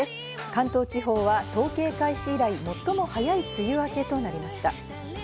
関東地方は統計開始以来、最も早い梅雨明けとなりました。